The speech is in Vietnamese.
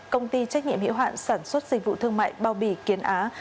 công ty trách nhiệm hiệu hạn sản xuất dịch vụ thương mại bao bì kiến á